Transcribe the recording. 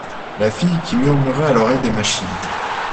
La fille qui murmurait à l’oreille des machines.